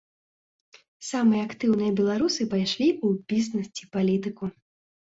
Самыя актыўныя беларусы пайшлі ў бізнес ці палітыку.